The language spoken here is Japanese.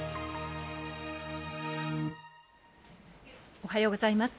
おはようございます。